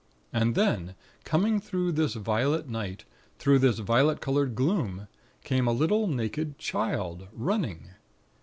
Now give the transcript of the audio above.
And then, coming through this violet night, through this violet colored gloom, came a little naked Child, running.